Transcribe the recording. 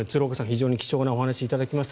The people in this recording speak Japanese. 非常に貴重なお話を頂きました。